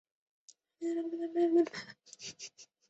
科翁人口变化图示